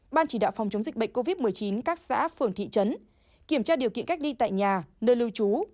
ban chỉ đạo phòng chống dịch bệnh covid một mươi chín các xã phường thị trấn kiểm tra điều kiện cách ly tại nhà nơi lưu trú